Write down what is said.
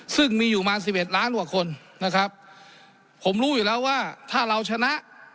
ซึ่งมีอยู่มาสิบเอ็ดล้านกว่าคนนะครับผมรู้อยู่แล้วว่าถ้าเราชนะ